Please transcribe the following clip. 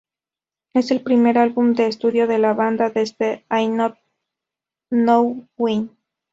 Es el primer álbum de estudio de la banda desde "If Not Now, When?